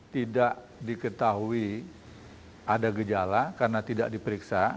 tidak diketahui ada gejala karena tidak diperiksa